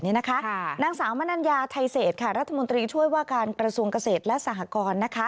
นางสาวมนัญญาไทยเศษรัฐมนตรีช่วยว่าการกระทรวงเกษตรและสหกร